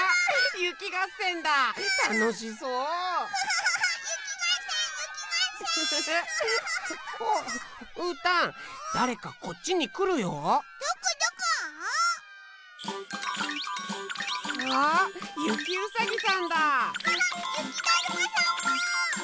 ゆきだるまさんも！